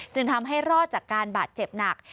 ทำให้รอดจากการบาดเจ็บหนัก